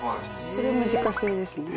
これも自家製ですね。